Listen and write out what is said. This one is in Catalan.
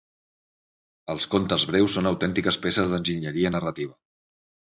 Els contes breus són autèntiques peces d'enginyeria narrativa.